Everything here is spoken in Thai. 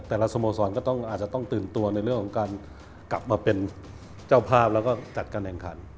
สโมสรก็ต้องอาจจะต้องตื่นตัวในเรื่องของการกลับมาเป็นเจ้าภาพแล้วก็จัดการแข่งขัน